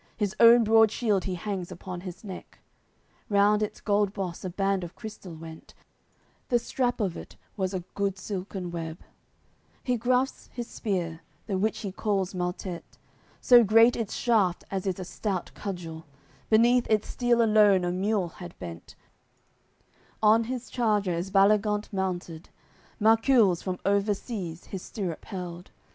His own broad shield he hangs upon his neck, (Round its gold boss a band of crystal went, The strap of it was a good silken web;) He grasps his spear, the which he calls Maltet; So great its shaft as is a stout cudgel, Beneath its steel alone, a mule had bent; On his charger is Baligant mounted, Marcules, from over seas, his stirrup held.